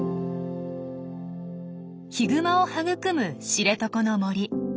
ヒグマを育む知床の森。